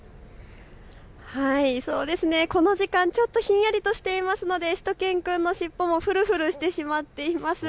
この時間ちょっとひんやりとしているのでしゅと犬くんの尻尾もふるふるしてしまっています。